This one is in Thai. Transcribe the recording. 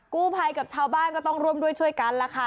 กู้ภัยกับชาวบ้านก็ต้องร่วมด้วยช่วยกันล่ะค่ะ